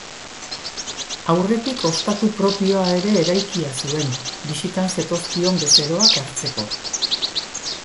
Aurretik ostatu propioa ere eraikia zuen, bisitan zetozkion bezeroak hartzeko.